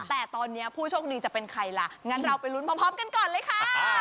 แต่ตอนนี้ผู้โชคดีจะเป็นใครล่ะงั้นเราไปลุ้นพร้อมกันก่อนเลยค่ะ